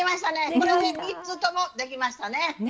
これで３つともできましたね。